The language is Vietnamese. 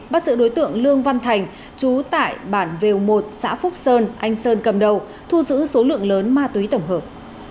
bắt giữ đối tượng lương văn thành chú tại bản vèo một xã phúc sơn anh sơn cầm đầu thu giữ số lượng lớn ma túy tổng hợp